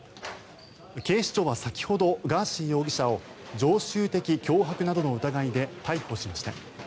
警視庁は先ほどガーシー容疑者を常習的脅迫などの疑いで逮捕しました。